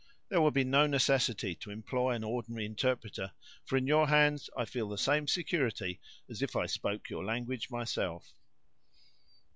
There will be no necessity to employ an ordinary interpreter; for, in your hands, I feel the same security as if I spoke your language myself."